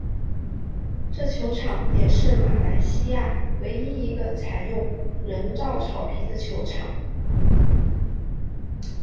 这球场也是马来西亚唯一一个采用人造草皮的球场。